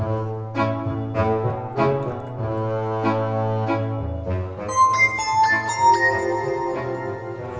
jalan jalan ke amin